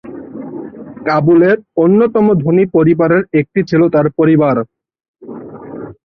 কাবুলের অন্যতম ধনী পরিবারের একটি ছিল তার পরিবার।